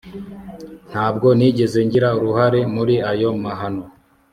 Ntabwo nigeze ngira uruhare muri ayo mahano